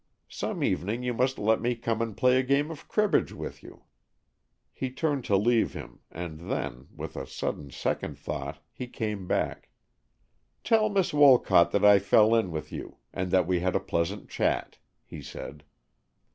Some evening you must let me come and play a game of cribbage with you." He turned to leave him, and then, with a sudden second thought, he came back. "Tell Miss Wolcott that I fell in with you, and that we had a pleasant chat," he said.